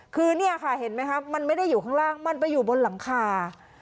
คือเนี่ยค่ะเห็นไหมคะมันไม่ได้อยู่ข้างล่างมันไปอยู่บนหลังคา